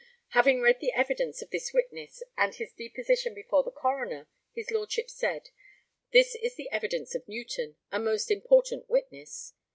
Having read the evidence of this witness and his deposition before the coroner, his Lordship said: This is the evidence of Newton, a most important witness.